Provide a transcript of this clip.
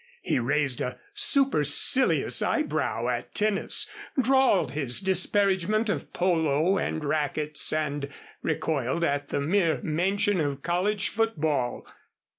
He raised a supercilious eyebrow at tennis, drawled his disparagement of polo and racquets and recoiled at the mere mention of college football.